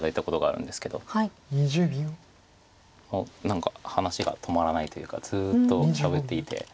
何か話が止まらないというかずっとしゃべっていて。